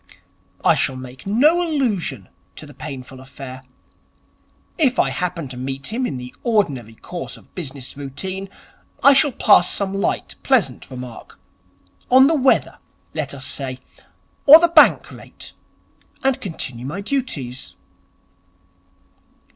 'I shall make no allusion to the painful affair. If I happen to meet him in the ordinary course of business routine, I shall pass some light, pleasant remark on the weather, let us say, or the Bank rate and continue my duties.'